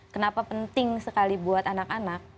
kenapa penting sekali buat anak anak